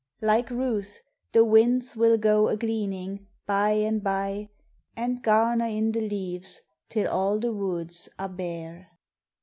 Like Ruth, the winds will go a gleaning, by and by, And garner in the leaves till all the woods are bare.